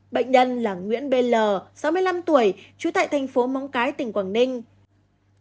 bệnh nhân là nguyễn b l sáu mươi năm tuổi trú tại thành phố móng cái tỉnh quảng ninh